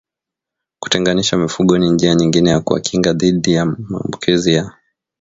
Kutenganisha mifugo ni njia nyingine ya kuwakinga dhidi ya maambukizi